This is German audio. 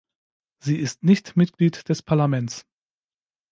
Sie ist nicht Mitglied des Parlaments.